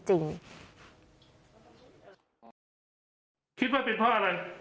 คิดว่าเป็นเพราะอะไร